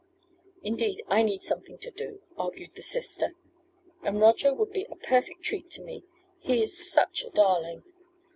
"Indeed, I need something to do," argued the sister, "and Roger would be a perfect treat to me. He is such a darling.